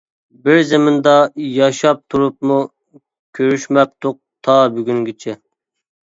بىر زېمىندا ياشاپ تۇرۇپمۇ، كۆرۈشمەپتۇق تا بۈگۈنگىچە.